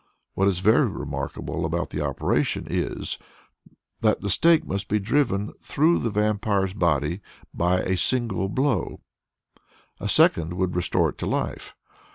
What is very remarkable about the operation is, that the stake must be driven through the vampire's body by a single blow. A second would restore it to life.